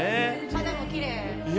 肌もきれい。